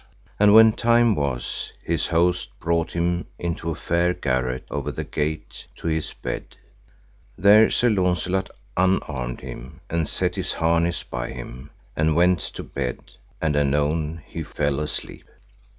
And when time was, his host brought him into a fair garret, over the gate, to his bed. There Sir Launcelot unarmed him, and set his harness by him, and went to bed, and anon he fell asleep.